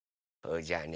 じゃあね